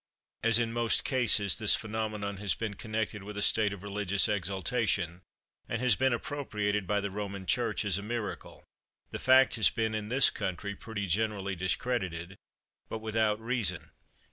As in most cases this phenomenon has been connected with a state of religious exaltation, and has been appropriated by the Roman church as a miracle, the fact has been in this country pretty generally discredited, but without reason.